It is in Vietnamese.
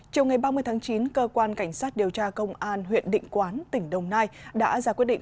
chiều ngày ba mươi tháng chín cơ quan cảnh sát điều tra công an huyện định quán tỉnh đồng nai đã ra quyết định